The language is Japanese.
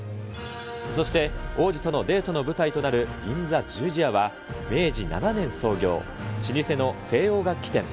そして王子とのデートの舞台となる銀座十字屋は、明治７年創業、老舗の西洋楽器店。